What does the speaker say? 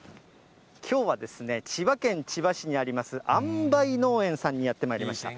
きょうはですね、千葉県千葉市にあります、あんばい農園さんにやってまいりました。